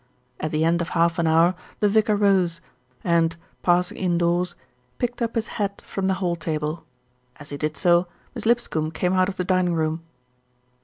At the end of half an hour the vicar rose and, pass ing indoors, picked up his hat from the hall table. As he did so, Miss Lipscombe came out of the dining room.